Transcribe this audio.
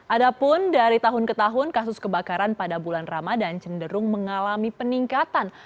adapun dari tahun ke tahun kasus kebakaran pada bulan ramadan cenderung mengalami peningkatan